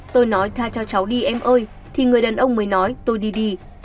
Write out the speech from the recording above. tôi nói tha cho cháu đi em ơi thì người đàn ông mới nói tôi đi đi